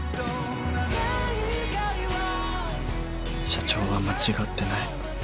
社長は間違ってない